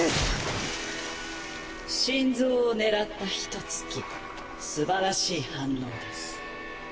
心臓を狙ったひと突きすばらしい反応です。